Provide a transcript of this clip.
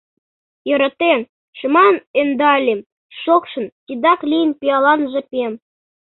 Йӧратен, шыман ӧндальым, шокшын — Тидак лийын пиалан жапем.